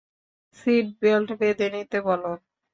Seat belt বেঁধে নিতে বলো।